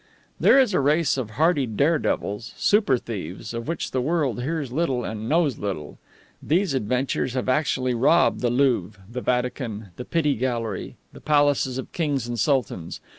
There is a race of hardy dare devils super thieves of which the world hears little and knows little. These adventurers have actually robbed the Louvre, the Vatican, the Pitti Gallery, the palaces of kings and sultans.